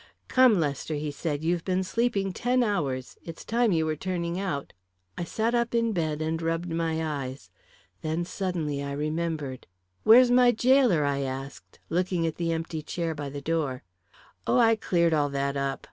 "Come, Lester," he said, "you've been sleeping ten hours. It's time you were turning out." I sat up in bed and rubbed my eyes. Then suddenly I remembered. "Where's my jailer?" I asked, looking at the empty chair by the door. "Oh, I cleared all that up.